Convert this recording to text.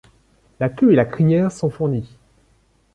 La queue et la crinière sont fournis.